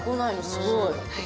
すごい。